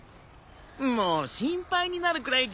もう心配になるくらい元気だよ。